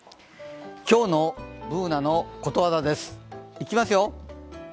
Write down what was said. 今日のＢｏｏｎａのことわざです、いきますよ。